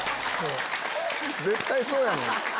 絶対そうやもん。